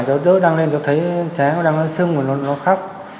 cháu đưa đăng lên cháu thấy cháu đang sưng và nó khóc